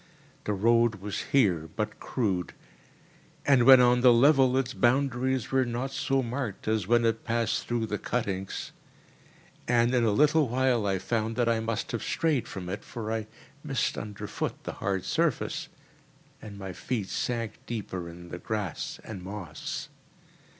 The road was here but crude, and when on the level its boundaries were not so marked, as when it passed through the cuttings; and in a little while I found that I must have strayed from it, for I missed underfoot the hard surface, and my feet sank deeper in the grass and moss.